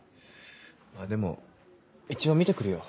まぁでも一応見て来るよ。